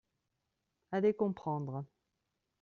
Allez comprendre